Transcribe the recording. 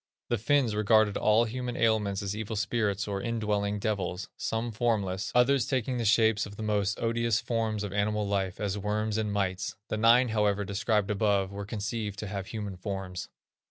The Finns regarded all human ailments as evil spirits or indwelling devils, some formless, others taking the shapes of the most odious forms of animal life, as worms and mites; the nine, however, described above, were conceived to have human forms.